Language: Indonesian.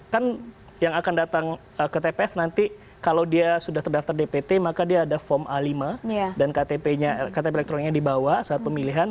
kan yang akan datang ke tps nanti kalau dia sudah terdaftar dpt maka dia ada form a lima dan ktp elektroniknya dibawa saat pemilihan